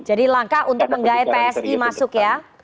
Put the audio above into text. jadi langkah untuk menggai psi masuk ya